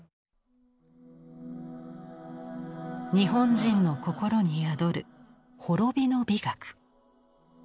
日本人の心に宿る滅びの美学。